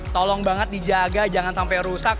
tolong banget dijaga jangan sampai rusak